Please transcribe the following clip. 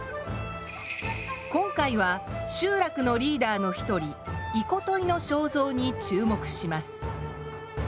今回は集落のリーダーの一人イコトイの肖像に注目します。